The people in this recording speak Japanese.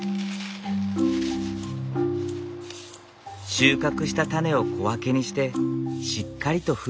収穫したタネを小分けにしてしっかりと封をする。